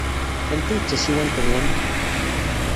Anta ay d tasiwant-nwen?